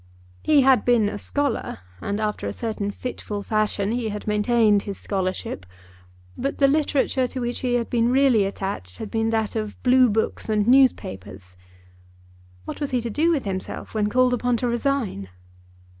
He had been a scholar, and after a certain fitful fashion he had maintained his scholarship, but the literature to which he had been really attached had been that of blue books and newspapers. What was he to do with himself when called upon to resign?